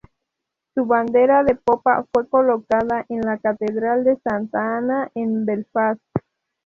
Su bandera de popa fue colocada en la catedral de Santa Ana en Belfast.